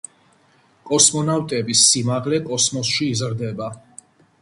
კოსმონავტების სიმაღლე კოსმოსში იზრდება.